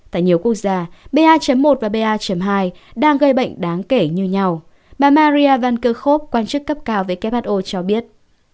tại nhiều quốc gia ba một và ba hai đang gây bệnh đáng kể như nhau bà maria vankerkov quan chức cấp cao who cho biết